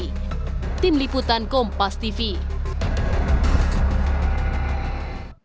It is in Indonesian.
berita terkini mengenai cuaca ekstrem dua ribu dua puluh satu di jawa barat